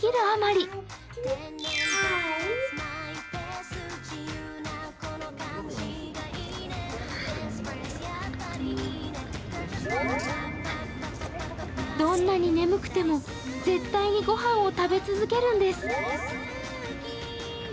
あまりどんなに眠くても絶対に御飯を食べ続けるんです。